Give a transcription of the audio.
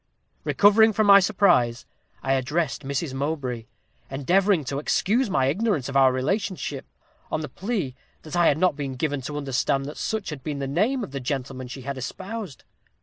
"Recovering from my surprise, I addressed Mrs. Mowbray, endeavoring to excuse my ignorance of our relationship, on the plea that I had not been given to understand that such had been the name of the gentleman she had espoused.